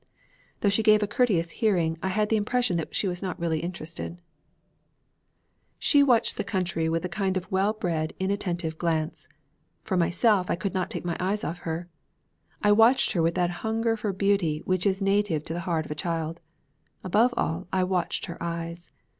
Though she gave a courteous hearing, I had the impression that she was not really interested. She watched the country with a kind of well bred inattentive glance. For myself I could not take my eyes off her. I watched her with that hunger for beauty which is native to the heart of a child. Above all I watched her eyes.